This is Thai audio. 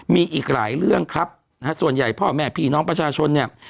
มีอีกหลายเรื่องครับนะฮะส่วนใหญ่พ่อแม่พี่น้องประชาชนเนี่ย